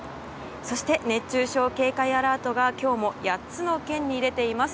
そして、熱中症警戒アラートが今日も８つの県に出ています。